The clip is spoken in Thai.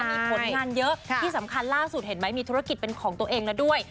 มีผลงานเยอะที่สำคัญล่าสุดเห็นไหมมีธุรกิจเป็นของตัวเองแล้วด้วย